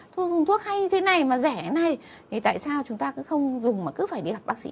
thuốc hay thế này mà rẻ này thì tại sao chúng ta cứ không dùng mà cứ phải đi học bác sĩ